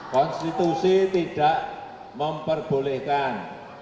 konstitusi tidak memperbolehkan